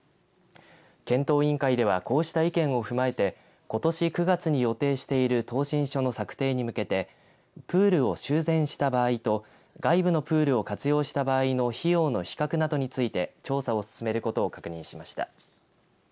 検討委員会ではこうした意見を踏まえてことし９月に予定している答申書の策定に向けてプールを修繕した場合と外部のプールを活用した場合の費用の比較などについて調査を進めることを確認しました。